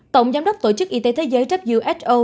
tổng giám đốc tổ chức y tế thế giới who